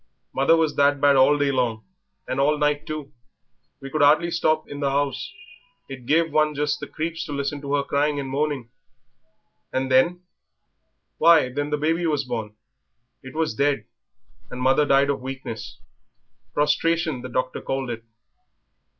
Mother was that bad all the day long and all night too we could 'ardly stop in the 'ouse; it gave one just the creeps to listen to her crying and moaning." "And then?" "Why, then the baby was born. It was dead, and mother died of weakness; prostration the doctor called it."